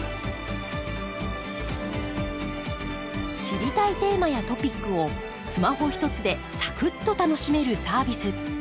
知りたいテーマやトピックをスマホひとつでサクッと楽しめるサービス。